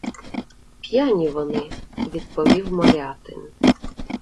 — П'яні вони, — відповів Морятин.